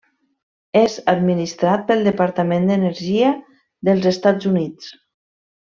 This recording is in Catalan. És administrat pel Departament d'Energia dels Estats Units.